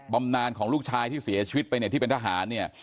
บำนานของลูกชายที่เสียชีวิตไปที่เป็นทหาร